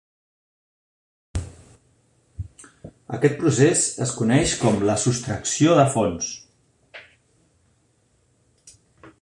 Aquest procés es coneix com la sostracció de fons.